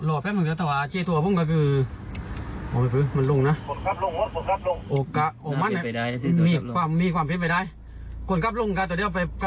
โอเคโอเคโอเค